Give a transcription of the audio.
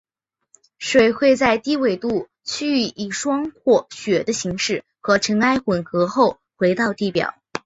水会在低纬度区域以霜或雪的形式和尘埃混合后回到地表。